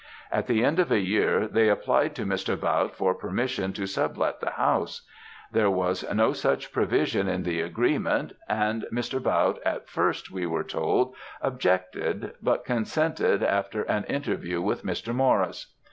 At the end of a year, they applied to Mr. Bautte for permission to sub let the house. There was no such provision in the agreement, and Mr. Bautte at first, we were told, objected, but consented after an interview with Mr. Maurice.